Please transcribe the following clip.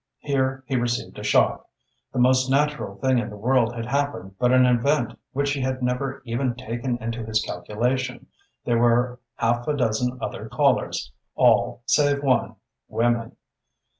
Here he received a shock. The most natural thing in the world had happened, but an event which he had never even taken into his calculation. There were half a dozen other callers, all, save one, women.